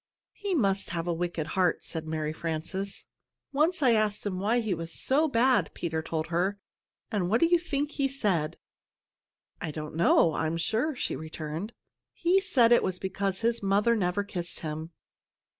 "He must have a wicked heart!" said Mary Frances. "Once I asked him why he was so bad," Peter told her "and what do you think he said?" "I don't know, I'm sure," she returned. "He said it was because his mother never kissed him."